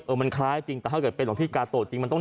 มันคล้ายจริงแต่ถ้าเกิดเป็นหลวงพี่กาโตจริงมันต้อง